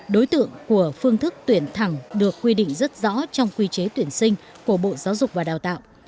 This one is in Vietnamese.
đối tượng của phương thức tuyển thẳng được quy định rất rõ trong quy chế tuyển sinh của bộ giáo dục và đào tạo